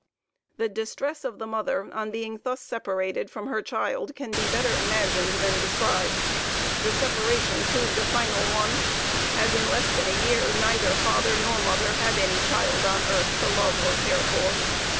The distress of the mother on being thus separated from her child can be better imagined than described. The separation proved a final one, as in less than a year neither father nor mother had any child on earth to love or care for.